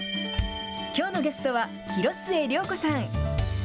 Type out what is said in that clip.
きょうのゲストは広末涼子さん。